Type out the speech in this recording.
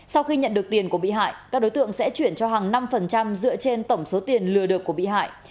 sau khi nhận được tiền của bị hại các đối tượng sẽ chuyển cho hàng năm dựa trên tổng số tiền lừa được của bị hại